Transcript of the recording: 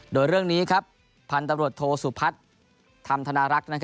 โดยเรื่องนี้ครับพันตำรวจโทษภัทรธรรมธนารักษ์